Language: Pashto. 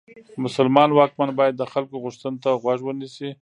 مسلمان واکمن باید د خلکو غوښتنو ته غوږ ونیسي.